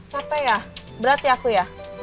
capek ya berat ya aku ya